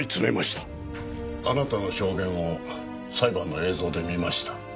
あなたの証言を裁判の映像で見ました。